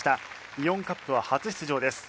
イオンカップは初出場です。